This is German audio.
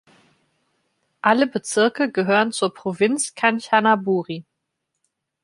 Alle Bezirke gehören zur Provinz Kanchanaburi.